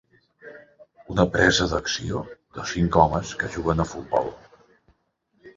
Una presa d'acció de cinc homes que juguen a futbol.